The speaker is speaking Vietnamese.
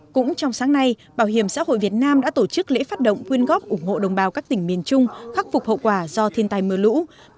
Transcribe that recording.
cũng trong sáng nay bảo hiểm xã hội việt nam đã tổ chức lễ phát động quyên góp ủng hộ đồng bào các tỉnh miền trung khắc phục hậu quả do thiên tài mưa lũ